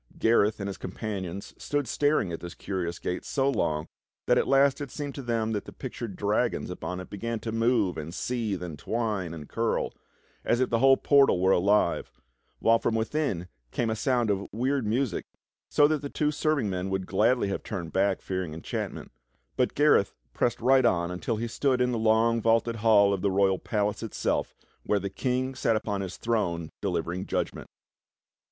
Gareth and his companions stood staring at this curious gate so long that at last it seemed to them that the pictured dragons upon it began to move and seethe and twine and curl as if the whole portal were alive, while from within came a sound of weird music, so that the two serving men would gladly have turned back fearing enchant ment, but Gareth pressed right on until he stood in the long vaulted hall of the royal palace itself where the King sat upon his throne delivering judgment.